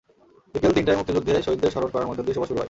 বিকেল তিনটায় মুক্তিযুদ্ধে শহীদদের স্মরণ করার মধ্য দিয়ে সভা শুরু হয়।